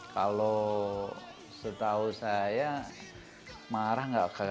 kalau setahu saya marah nggak